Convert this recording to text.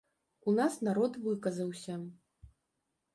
У нас народ выказаўся.